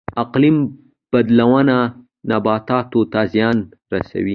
اقلیم بدلون نباتاتو ته زیان رسوي